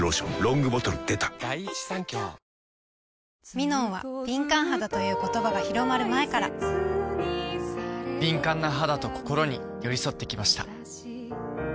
「ミノン」は敏感肌という言葉が広まる前から敏感な肌と心に寄り添って来ました